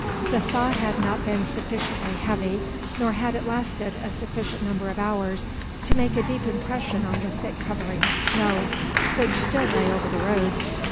The thaw had not been sufficiently heavy, nor had it lasted a sufficient number of hours to make a deep impression on the thick covering of snow which still lay over the roads.